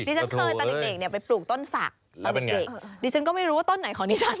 ฉันเคยตอนเด็กเนี่ยไปปลูกต้นศักดิ์ตอนเด็กดิฉันก็ไม่รู้ว่าต้นไหนของดิฉัน